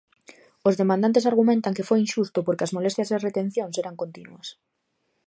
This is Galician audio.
Os demandantes argumentan que foi inxusto porque as molestias e as retencións eran continuas.